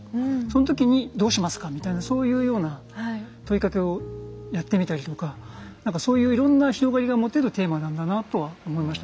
その時に「どうしますか？」みたいなそういうような問いかけをやってみたりとか何かそういういろんな広がりが持てるテーマなんだなとは思いましたね